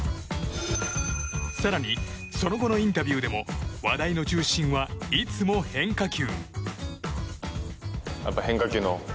更にその後のインタビューでも話題の中心はいつも変化球。